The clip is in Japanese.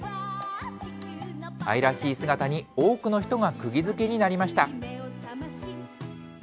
愛らしい姿に多くの人がくぎづけになりました。